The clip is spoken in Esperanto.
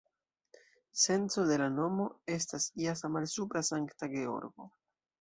Senco de la nomo estas jasa-malsupra-Sankta-Georgo.